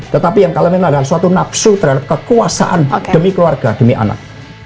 tetapi yang kalamin adalah suatu nafsu terhadap kekuasaan demi keluarga demi anak